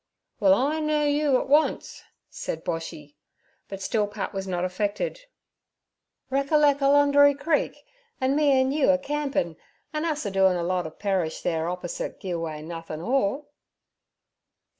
'Well I knoo you at once' said Boshy. But still Pat was not affected. 'Reckerlec' Ulundri Creek, an' me an' you a campin', an' us a doin' of a perish there op'osite "Gi' Away Nothin' 'All"?'